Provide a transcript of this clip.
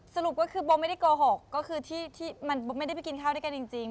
สรุปก็คือโบไม่ได้โกหกก็คือที่มันไม่ได้ไปกินข้าวด้วยกันจริง